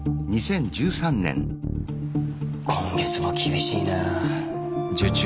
今月も厳しいな。